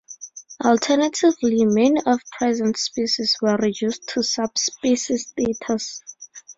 Alternatively, many of the present species were reduced to subspecies status.